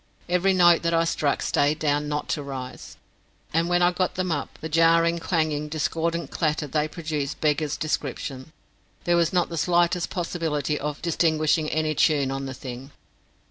Every note that I struck stayed down not to rise, and when I got them up the jarring, clanging, discordant clatter they produced beggars description. There was not the slightest possibility of distinguishing any tune on the thing.